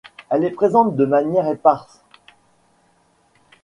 Elle est présente de manière éparse.